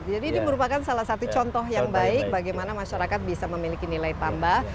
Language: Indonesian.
jadi ini merupakan salah satu contoh yang baik bagaimana masyarakat bisa memiliki nilai tambah